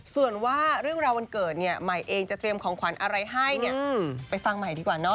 ส่วนว่าเรื่องราววันเกิดหมายเองจะเตรียมของขวัญอะไรให้ไปฟังใหม่ดีกว่า